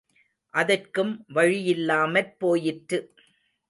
அதற்கும் வழியில்லாமற் போயிற்று.